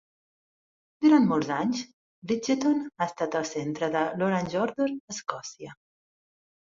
Durant molts anys, Bridgeton ha estat el centre de l'Orange Order a Escòcia.